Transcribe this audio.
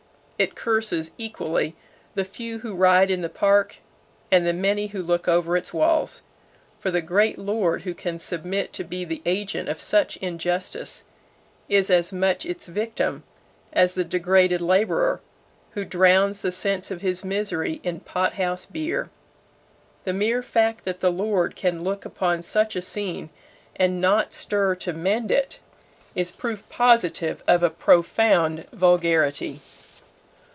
It curses equally the few who ride in the park and the many who look over its walls; for the great lord who can submit to be the agent of such injustice is as much its victim as the degraded laborer who drowns the sense of his misery in pot house beer. The mere fact that the lord can look upon such a scene and not stir to mend it, is proof positive of a profound vulgarity.